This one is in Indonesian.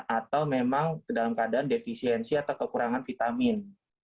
atau memang dalam keadaan defisiensi atau kekurangan vitamin